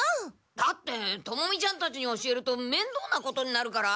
だってトモミちゃんたちに教えるとめんどうなことになるから。